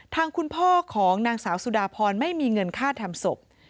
ทางคุณพ่อของนางสาวสุดาพรไม่มีเงินค่าทำศพ